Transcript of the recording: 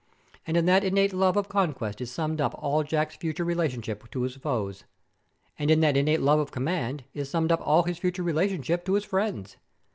And in that innate love of Conquest is summed up all Jack's future relationship to his foes. And in that innate love of Command is summed up all his future relationship to his friends.